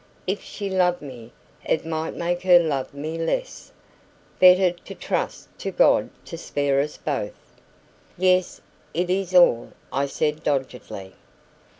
If she loved me, it might make her love me less; better to trust to God to spare us both. "Yes, it is all," I said doggedly.